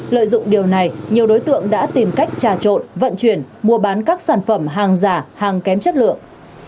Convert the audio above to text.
lợi dụng điều này nhiều đối tượng đã tìm cách trà trộn vận chuyển mua bán các sản phẩm hàng giả hàng kém chất lượng